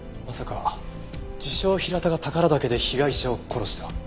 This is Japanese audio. まさか自称平田が宝良岳で被害者を殺した。